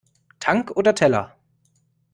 Tank oder Teller?